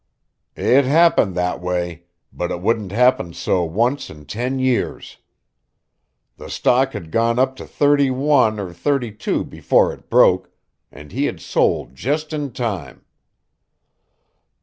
"It happened that way, but it wouldn't happen so once in ten years. The stock had gone up to thirty one or thirty two before it broke, and he had sold just in time."